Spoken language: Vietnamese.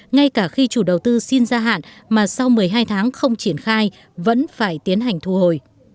ngay cả khi chủ đầu tư xin gia hạn mà sau một mươi hai tháng không triển khai vẫn phải tiến hành thu hồi